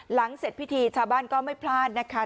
เสร็จพิธีชาวบ้านก็ไม่พลาดนะคะ